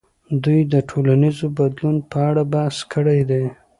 دوی د ټولنیز بدلون په اړه بحث کړی دی.